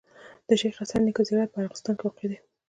د شيخ حسن نیکه زیارت په ارغستان کي واقع دی.